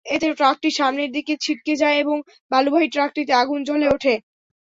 এতে ট্রাকটি সামনের দিকে ছিটকে যায় এবং বালুবাহী ট্রাকটিতে আগুন জ্বলে ওঠে।